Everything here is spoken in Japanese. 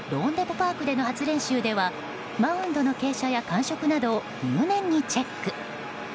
・パークでの初練習ではマウンドの傾斜や感触などを入念にチェック。